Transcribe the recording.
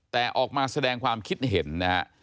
แต่ออกมาแสดงความคิดเห็นนะฮะ